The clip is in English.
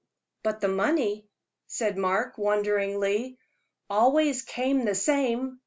"But the money," said Mark, wonderingly, "always came the same."